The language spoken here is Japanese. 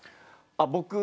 あっ僕。